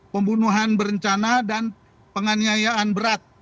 pembunuhan berencana dan penganiayaan berat